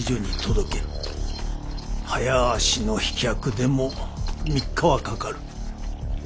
早足の飛脚でも３日はかかる。